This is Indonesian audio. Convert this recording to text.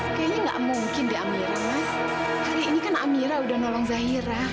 mas kayaknya nggak mungkin deh amira mas hari ini kan amira sudah menolong zaira